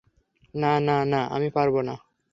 না, না, না, আমি পারব না।